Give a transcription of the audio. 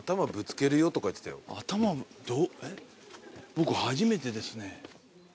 僕初めてですね。